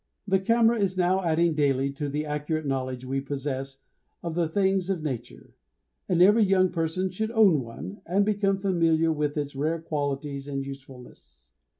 The camera is now adding daily to the accurate knowledge we possess of the things of nature, and every young person should own one and become familiar with its rare qualities and usefulness.